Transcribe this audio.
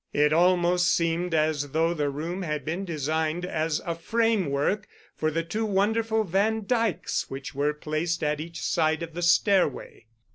It almost seemed as though the room had been designed as a framework for the two wonderful Van Dykes which were placed at each side of the stairway.